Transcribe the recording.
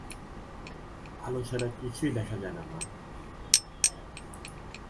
আলো ছাড়া কিছুই দেখা যায় না মা।